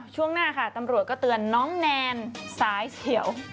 ช่วงหน้าค่ะตำรวจก็เตือนน้องแนนสายเสียว